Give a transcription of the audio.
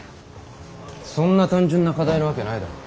そんな単純な課題のわけないだろ。